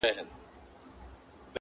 داسي د نېستۍ څپېړو شین او زمولولی یم -